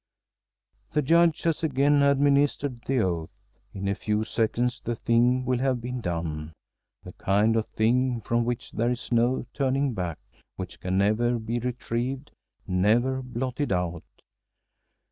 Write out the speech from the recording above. The Judge has again administered the oath. In a few seconds the thing will have been done: the kind of thing from which there is no turning back which can never be retrieved, never blotted out.